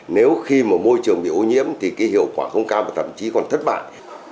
nếu khi mà môi trường bị ô nhiễm thì cái hiệu quả không cao và thậm chí còn thất bại